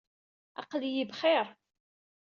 Aql-iyi bxir.